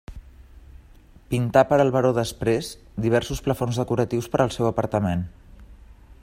Pintà per al baró Després diversos plafons decoratius per al seu apartament.